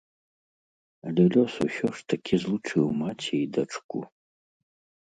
Але лёс усё ж такі злучыў маці і дачку.